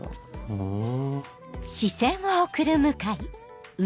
ふん。